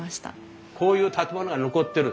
こういう建物が残ってる。